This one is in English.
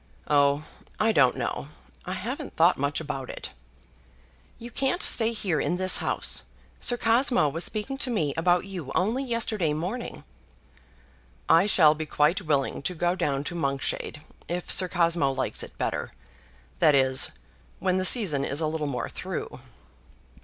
"Oh, I don't know. I haven't thought much about it." "You can't stay here in this house. Sir Cosmo was speaking to me about you only yesterday morning." "I shall be quite willing to go down to Monkshade, if Sir Cosmo likes it better; that is, when the season is a little more through."